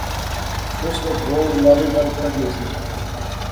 نصرت روز ناوی گل کھڈنی سی